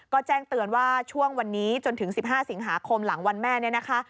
ก็แจ้งเตือนว่าช่วงวันนี้จนถึง๑๕สิงหาคมหลังวันแม่เนี่ยนะคะ